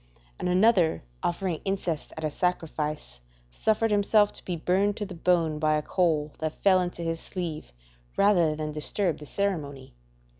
And another offering incense at a sacrifice, suffered himself to be burned to the bone by a coal that fell into his sleeve, rather than disturb the ceremony.